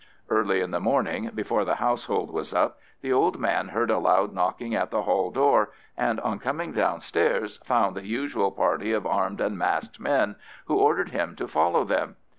Early in the morning, before the household was up, the old man heard a loud knocking at the hall door, and on coming downstairs found the usual party of armed and masked men, who ordered him to follow them.